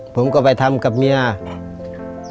ผมก็ไปทำกับเมีย